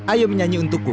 ayo menyanyi untukku